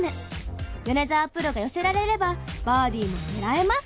米澤プロが寄せられればバーディーも狙えます。